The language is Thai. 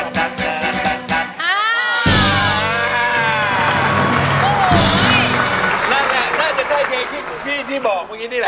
น่าจะใช่เคคี่ที่บอกเมื่อกี้นี่แหละ